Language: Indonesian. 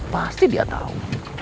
pasti dia tahu